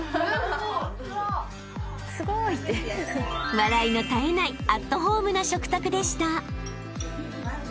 ［笑いの絶えないアットホームな食卓でした］